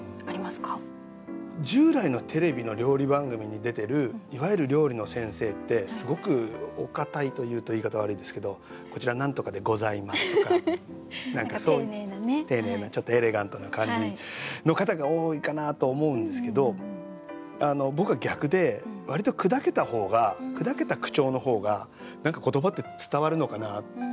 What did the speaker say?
従来のテレビの料理番組に出てるいわゆる料理の先生ってすごくお堅いと言うと言い方悪いんですけど「こちら何とかでございます」とか丁寧なちょっとエレガントな感じの方が多いかなと思うんですけど僕は逆で割とをするっていうのは意識してますね。